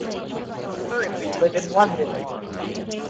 They currently live in London.